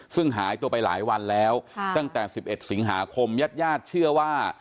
ซึ่งหายตัวไปหลายวันแล้วตั้งแต่๑๑สิงหาคมญาติญาติเชื่อว่า